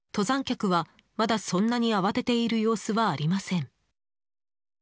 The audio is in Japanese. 登山客は、まだそんなに慌てている様子はありません。